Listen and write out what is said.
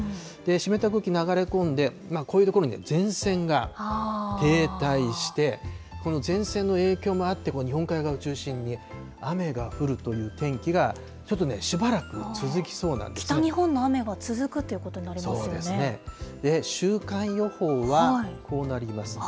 湿った空気、流れ込んで、こういう所に前線が停滞して、この前線の影響もあって、この日本海側を中心に、雨が降るという天気が、ちょっとね、しばらく続きそうな北日本の雨が続くということ週間予報はこうなります。